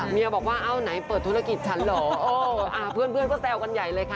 เมียบอกว่าเอ้าไหนเปิดธุรกิจฉันเหรอเออเพื่อนก็แซวกันใหญ่เลยค่ะ